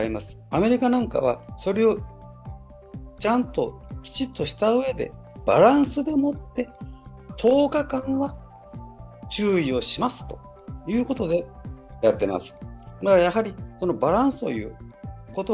アメリカなんかは、それをちゃんときちっとしたうえでバランスでもって、１０日間は注意をしますということでやっています。